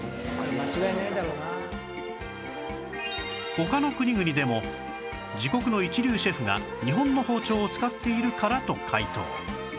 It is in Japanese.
他の国々でも自国の一流シェフが日本の包丁を使っているからと回答